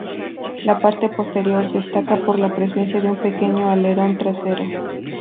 La parte posterior destaca por la presencia de un pequeño alerón trasero.